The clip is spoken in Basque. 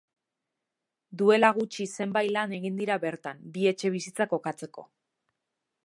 Duela gutxi zenbait lan egin dira bertan, bi etxebizitza kokatzeko.